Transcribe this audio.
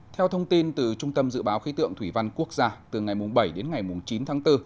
theo thông tin từ trung tâm dự báo khí tượng thủy văn quốc gia từ ngày bảy đến ngày chín tháng bốn